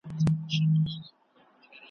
څوچي غرونه وي پرځمکه .